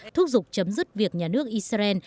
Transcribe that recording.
thúc giục chấm dứt việc nhà nước israel